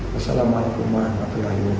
wassalamualaikum warahmatullahi wabarakatuh